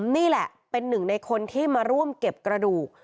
นี่แหละเป็นหนึ่งในคนที่มาร่วมเก็บกระดูก